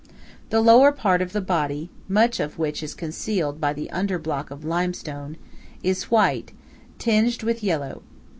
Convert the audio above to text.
The lower part of the body, much of which is concealed by the under block of limestone, is white, tinged with yellow.